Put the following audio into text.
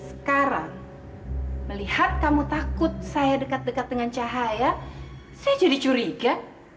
sekarang melihat kamu takut saya dekat dekat dengan cahaya saya jadi curiga